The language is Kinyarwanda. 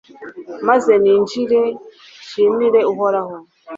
maze ninjire, nshimire uhoraho